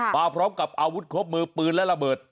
มาพร้อมกับอาวุธครบมือปืนและระเบิด